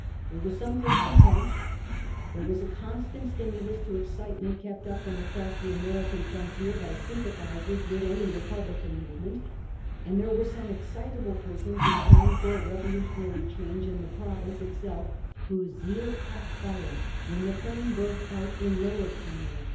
There was some discontent ; there was a con stant stimulus to excitement kept up from across the American frontier by sympathisers with any republican movement; and there were some excitable persons inclined for revolutionary change in the province itself whose zeal caught fire when the flame broke out in Lower Canada.